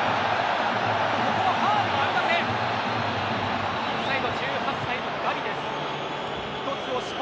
ここはファウルはありません。